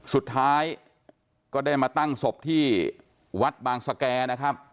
สุดท้ายก็ได้มาตั้งศพที่วัดบางสแก่นะครับ